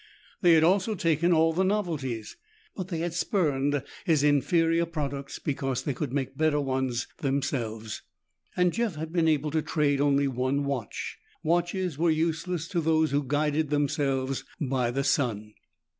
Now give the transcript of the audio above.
They had also taken all the novelties. But they had spurned his inferior products because they could make better ones themselves, and Jeff had been able to trade only one watch. Watches were useless to those who guided themselves by the sun.